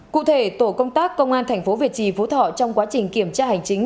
cụ thể tổ công tác công an tp việt trì phú thọ trong quá trình kiểm tra hành chính